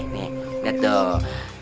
nih lihat dong